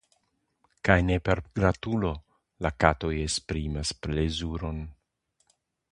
Kaj ne per graŭlo la katoj esprimas plezuron.